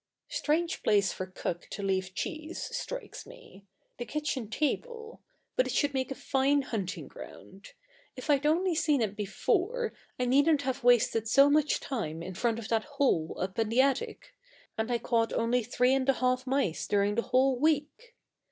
Strange place for Cook to leave cheese, strikes me the kitchen table; but it should make a fine hunting ground. If I'd only seen it before, I needn't have wasted so much time in front of that hole up in the attic and I caught only three and a half mice during the whole week.